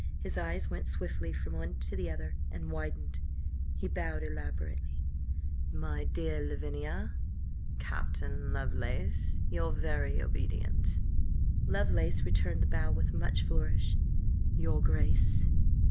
His eyes went swiftly from one to the other and widened. He bowed elaborately. "My dear Lavinia! Captain Lovelace, your very obedient!" Lovelace returned the bow with much flourish. "Your Grace!"